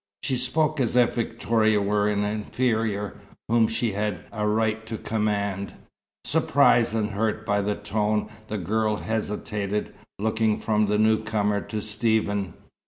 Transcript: She spoke as if Victoria were an inferior, whom she had a right to command. Surprised and hurt by the tone, the girl hesitated, looking from the newcomer to Stephen.